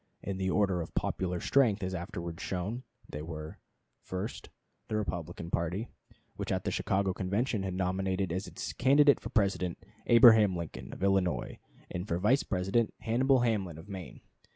In the order of popular strength, as afterwards shown, they were: First. The Republican party, which at the Chicago Convention had nominated as its candidate for President, Abraham Lincoln, of Illinois, and for Vice President, Hannibal Hamlin, of Maine.